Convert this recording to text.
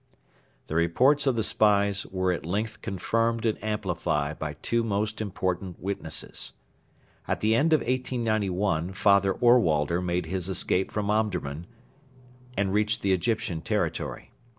The reports of the spies were at length confirmed and amplified by two most important witnesses. At the end of 1891 Father Ohrwalder made his escape from Omdurman and reached the Egyptian territory.